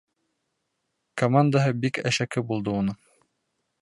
Командаһы бик әшәке булды уның.